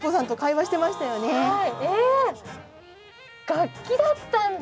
楽器だったんだ。